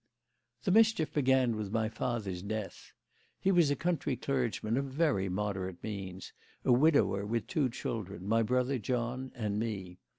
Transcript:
"The mischief began with my father's death. He was a country clergyman of very moderate means, a widower with two children, my brother John and me.